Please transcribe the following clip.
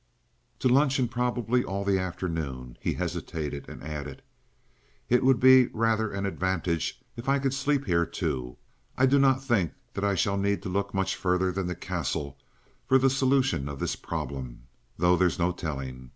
"To lunch and probably all the afternoon." He hesitated and added: "It would be rather an advantage if I could sleep here, too. I do not think that I shall need to look much further than the Castle for the solution of this problem, though there's no telling.